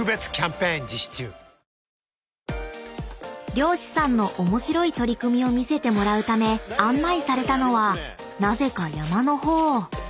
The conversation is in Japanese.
［漁師さんの面白い取り組みを見せてもらうため案内されたのはなぜか山の方］